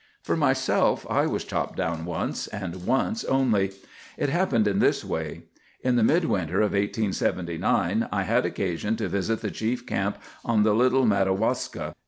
"For myself, I was chopped down once, and once only. It happened in this way. In the midwinter of 1879 I had occasion to visit the chief camp on the Little Madawaska.